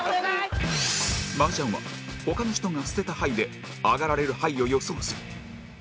麻雀は他の人が捨てた牌でアガられる牌を予想する